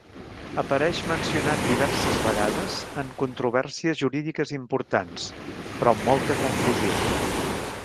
Apareix mencionat diverses vegades en controvèrsies jurídiques importants, però amb molta confusió.